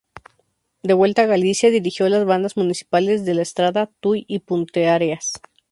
De vuelta a Galicia dirigió las bandas municipales de La Estrada, Tuy y Puenteareas.